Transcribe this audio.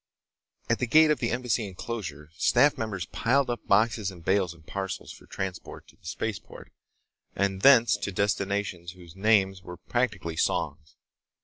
At the gate of the Embassy enclosure, staff members piled up boxes and bales and parcels for transport to the spaceport and thence to destinations whose names were practically songs.